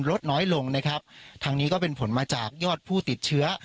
ลดน้อยลงนะครับทางนี้ก็เป็นผลมาจากยอดผู้ติดเชื้อ